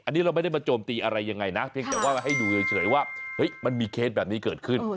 อันนี้เราไม่ได้มาโจมตีอะไรยังไงนะเพียงแต่ว่ามาให้ดูเฉยว่ามันมีเคสแบบนี้เกิดขึ้น